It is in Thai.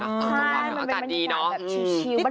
อ๋อมันเป็นบรรยากาศดีเนาะชิลประมาณ